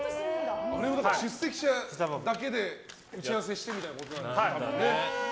出席者だけで打ち合わせしてみたいなことだよね。